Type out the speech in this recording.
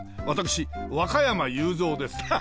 私和歌山雄三です。